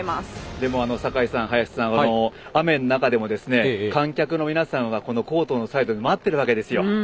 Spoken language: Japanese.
でも坂井さん、早瀬さん雨の中でも観客の皆さんはコートのサイドで待っているわけですよ。